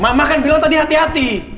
mak mak kan bilang tadi hati hati